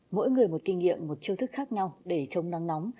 mỗi người một kinh nghiệm một chiêu thức khác nhau để chống nắng nóng